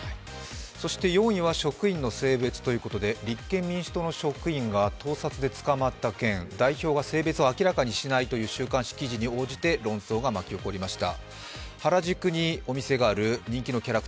そして４位は職員の性別ということで、立憲民主党の職員が盗撮で捕まった件、代表が性別を明らかにしないという週刊紙記事に応じて、論争が巻き起こりました。